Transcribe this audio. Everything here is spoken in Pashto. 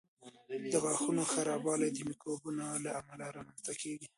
د غاښونو خرابوالی د میکروبونو له امله رامنځته کېږي.